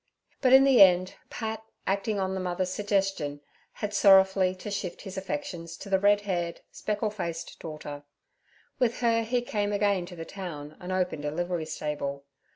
But in the end Pat, acting on the mother's suggestion, had sorrowfully to shift his affections to the red haired, speckled faced daughter. With her he came again to the town and opened a livery stable.